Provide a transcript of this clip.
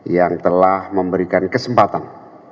yang telah memberikan kesempatan